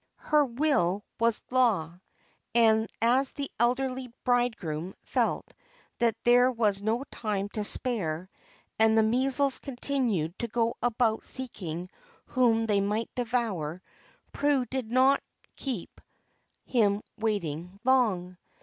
Her will was law, and as the elderly bridegroom felt that there was no time to spare, and the measles continued to go about seeking whom they might devour, Prue did not keep him waiting long.